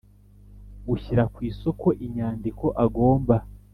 Ushyira ku isoko inyandiko agomba